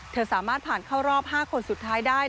สามารถผ่านเข้ารอบ๕คนสุดท้ายได้